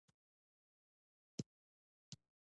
له عقیدتي اړخه مشابهتونه شته.